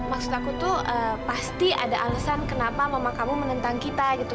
maksud aku tuh pasti ada alasan kenapa mama kamu menentang kita gitu